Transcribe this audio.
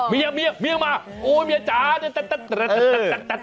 เมียเมียมาโอ้เมียจ๋า